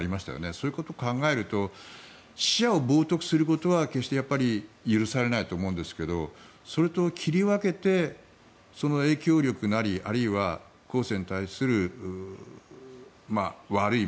そういうことを考えると死者を冒とくすることは決して許されないと思うんですけどそれと切り分けてその影響力なりあるいは後世に対する悪い